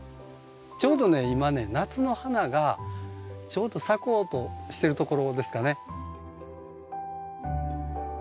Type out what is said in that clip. ちょうどね今ね夏の花がちょうど咲こうとしてるところですかね。